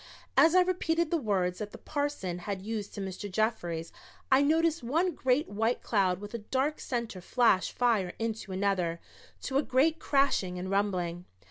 As I repeated the words that the parson had used to Mr. Jeffries I noticed one great white cloud with a dark center flash fire into another, to a great crashing and rumbling.